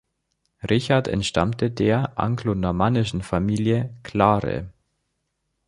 Richard entstammte der anglonormannischen Familie Clare.